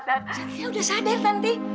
satria udah sadar tante